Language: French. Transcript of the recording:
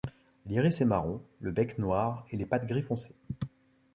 L'iris est marron, le bec noir et les pattes gris foncé.